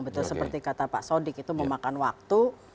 betul seperti kata pak sodik itu memakan waktu